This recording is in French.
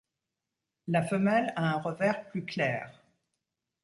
La femelle a un revers plus clair.